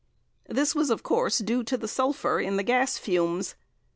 This was, of course, due to the sulphur in the gas fumes.